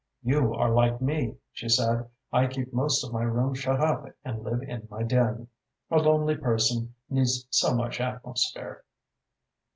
"You are like me," she said. "I keep most of my rooms shut up and live in my den. A lonely person needs so much atmosphere."